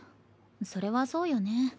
それはそうよね。